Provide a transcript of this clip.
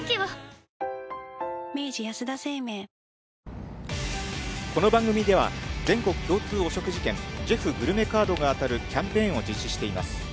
そして、この番組では、全国共通お食事券、ジェフグルメカードが当たるキャンペーンを実施しています。